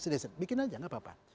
sedesit bikin aja gak apa apa